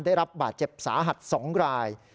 ได้รับบาดเจ็บสาหัส๒ราย